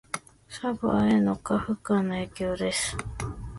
サーバへの過負荷の影響です